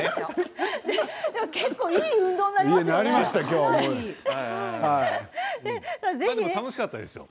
結構いい運動になりますよね。